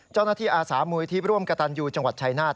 เจ้าหน้าที่อาสามุยที่ร่วมกระตันอยู่จังหวัดชัยนาธ